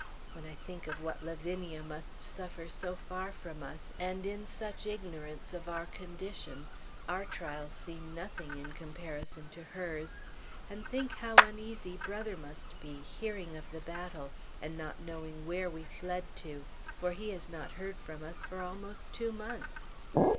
When I think of what Lavinia must suffer so far from us, and in such ignorance of our condition, our trials seem nothing in comparison to hers. And think how uneasy Brother must be, hearing of the battle, and not knowing where we fled to! For he has not heard of us for almost two months.